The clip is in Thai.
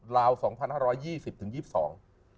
ราวส์๒๕๒๐ถึง๒๒